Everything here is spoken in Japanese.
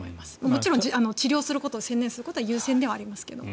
もちろん治療することに専念することが優先ではありますけど。